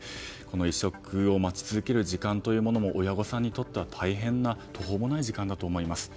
移植を待ち続ける時間というものも親御さんにとっては、大変な途方もない時間だと思います。